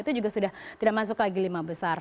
itu juga sudah tidak masuk lagi lima besar